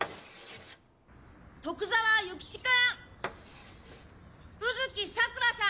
徳沢諭吉くん！卯月さくらさん！